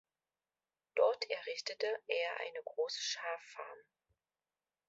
Dort errichtete er eine große Schaffarm.